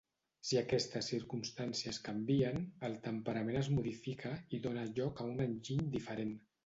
Si aquestes circumstàncies canvien, el temperament es modifica i dóna lloc a un enginy diferent.